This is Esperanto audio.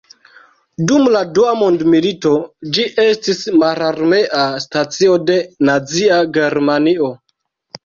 Dum la Dua Mondmilito ĝi estis mararmea stacio de Nazia Germanio.